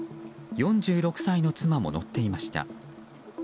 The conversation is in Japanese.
４６歳の妻も乗っていました。